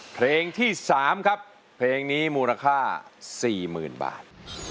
เพลงที่๓ครับเพลงนี้มูลค่า๔๐๐๐บาท